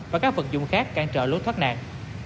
và các vận dụng khác cạn trợ lối thoát nạn